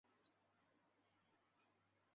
其他色素体参与储存食料。